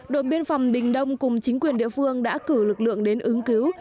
đội biên phòng đình đông cùng chính quyền địa phương đã cử lực lượng đến ứng cứu